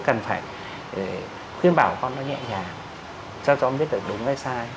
cần phải khuyên bảo con nó nhẹ nhàng cho cháu biết được đúng hay sai